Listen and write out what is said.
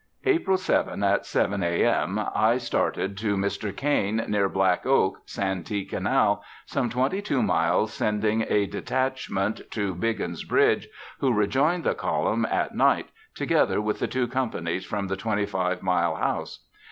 April 7 at 7:00 A.M. I started to Mr. Cain's, near Black Oak, Santee Canal, some twenty two miles, sending a detachment to Biggin's Bridge, who rejoined the column at night, together with the two companies from the Twenty Five Mile House.